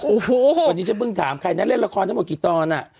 โอ้โหวันนี้ฉันเพิ่งถามใครนะเล่นละครทั้งหมดกี่ตอนอ่ะ